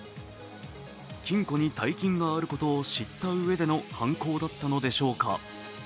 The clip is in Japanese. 金庫に大金があることを知ったうえでの犯行だったのでしょうか。